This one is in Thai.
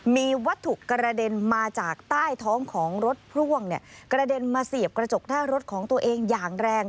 มีวัตถุกระเด็นมาจากใต้ท้องของรถพ่วงกระเด็นมาเสียบกระจกหน้ารถของตัวเองอย่างแรง